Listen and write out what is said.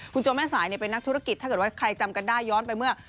คุณโจแม่สายเป็นนักธุรกิจถ้าเกิดว่าใครจำกันได้ย้อนไปเมื่อ